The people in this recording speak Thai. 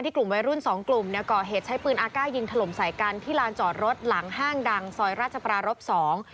กลุ่มวัยรุ่นสองกลุ่มเนี่ยก่อเหตุใช้ปืนอากาศยิงถล่มใส่กันที่ลานจอดรถหลังห้างดังซอยราชปรารบสอง